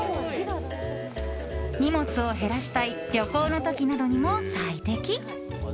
荷物を減らしたい旅行の時などにも最適。